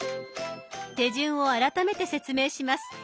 手順を改めて説明します。